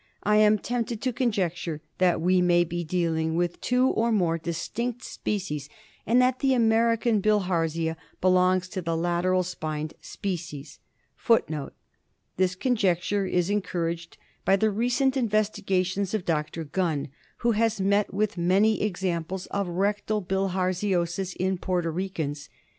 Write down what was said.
I am tempted to conjecture that we may be dealing with two or more distinct species, and that the American Bilharzia belongs to the lateral spined species.* * This conjecture is encouraged by the recent investigations of Dr. Guna, who has met with many examples of rectal bilharzioais in Porto Ricans.